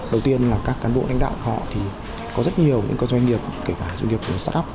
đầu tiên là các cán bộ lãnh đạo họ thì có rất nhiều những doanh nghiệp kể cả doanh nghiệp của start up